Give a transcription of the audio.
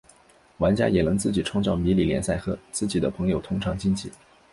玩家也能自己创立迷你联赛和自己的朋友同场竞技。